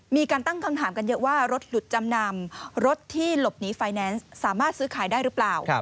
มีการตั้งคำถามกันเยอะว่ารถหลุดจำนำรถที่หลบหนีไฟแนนซ์สามารถซื้อขายได้หรือเปล่า